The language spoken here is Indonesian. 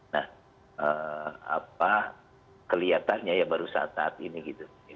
nah apa kelihatannya ya baru saat saat ini gitu